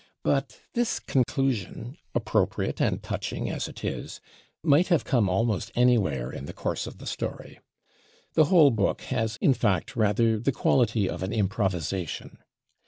But this conclusion, appropriate and touching as it is, might have come almost anywhere in the course of the story. The whole book has, in fact, rather the quality of an improvisation.